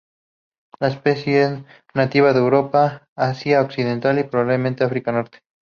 La especie es nativa de Europa y Asia occidental y probablemente África norte.